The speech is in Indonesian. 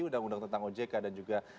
uu tentang ojk dan juga